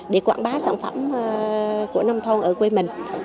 để quảng bá sản phẩm của nông thôn ở quê mình